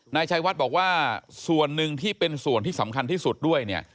นายชัยวัดบอกว่าส่วนหนึ่งที่เป็นส่วนที่สำคัญที่สุดด้วยเนี่ย